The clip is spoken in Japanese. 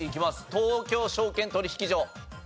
東京証券取引所。